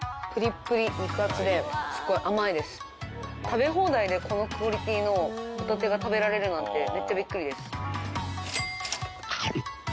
食べ放題でこのクオリティーのほたてが食べられるなんてめっちゃびっくりです。